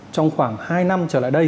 trong khoảng hai năm trở lại đây